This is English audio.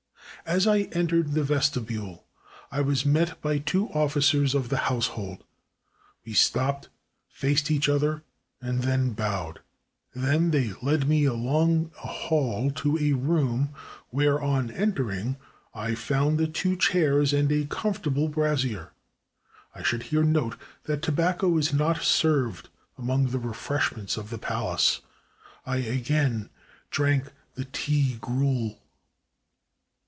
As I entered the vestibule I was met by two ofl5cers of the household. We stopped, faced each other, and then bowed; they then led me along a hall to a room where, on entering, I found the two chairs and a com fortable brazier. I should here note that tobacco is not served among the refreshments of the palace. I again drank the "tea gruel."